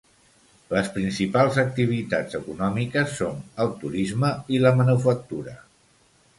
Les principals activitats econòmiques són el turisme i la manufactura.